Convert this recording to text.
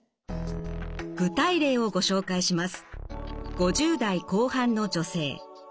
具体例をご紹介します。